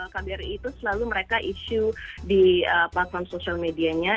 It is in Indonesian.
kbri itu selalu mereka issue di platform social medianya